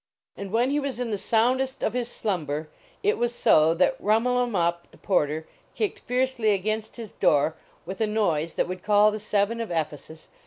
And when he was in the soundest of his slumber, it was so that Rhumul em Uhp the Porter kicked fiercely against his door with a noise that would call the Seven of Ephesus.